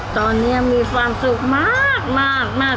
ตอนนี้มีความสุขมาก